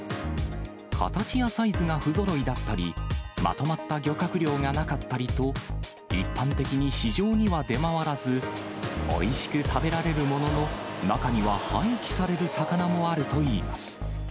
形やサイズが不ぞろいだったり、まとまった漁獲量がなかったりと、一般的に市場には出回らず、おいしく食べられるものの、中には廃棄される魚もあるといいます。